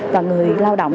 và người lao động